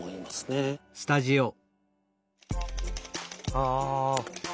ああ。